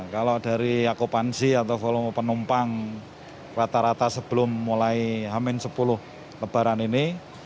kalau dari akupansi atau volume penumpang rata rata sebelum mulai hamil sepuluh lebaran ini